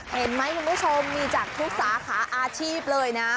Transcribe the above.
เห็นไหมคุณผู้ชมมีจากทุกสาขาอาชีพเลยนะ